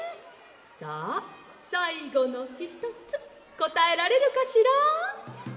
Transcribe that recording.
さあさいごのひとつこたえられるかしら？」。